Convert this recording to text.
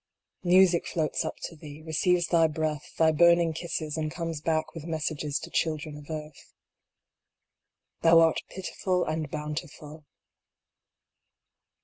Music floats up to thee, receives thy breath, thy burning kisses, and comes back with messages to children of earth. Thou art pitiful and bountiful.